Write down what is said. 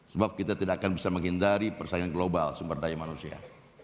sebab kita tidak akan bisa menghindari persaingan global sumber daya manusia